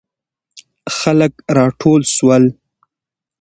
خلک راټول سول.